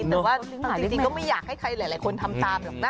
แต่ว่าจริงก็ไม่อยากให้ใครหลายคนทำตามหรอกนะ